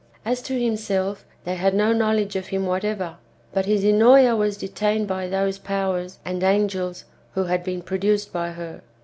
As to himself, they had no knowledge of him whatever ; but his Ennoea was detained by those powers and angels who had been produced by her.